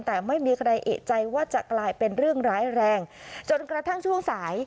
แต่ไม่มีใครเอกใจว่าจะกลายเป็นเรื่องร้ายแรงจนกระทั่งช่วงสาย